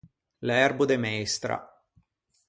L’erbo de meistra.